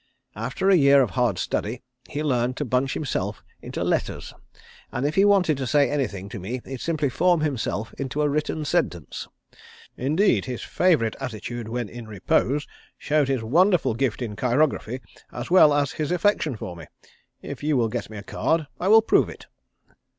After a year of hard study he learned to bunch himself into letters, and if he wanted to say anything to me he'd simply form himself into a written sentence. Indeed his favourite attitude when in repose showed his wonderful gift in chirography as well as his affection for me. If you will get me a card I will prove it."